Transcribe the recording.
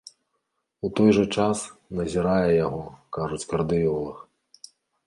У той жа час, назірае яго, кажуць, кардыёлаг.